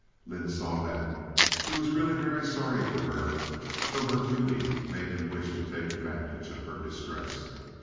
Lynde saw them. He was really very sorry for her, though her beauty made him wish to take advantage of her distress.